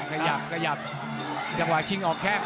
ขวารถดังว่าชิงออกแกง